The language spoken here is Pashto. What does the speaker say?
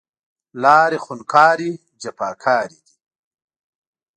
لارې خونکارې، جفاکارې دی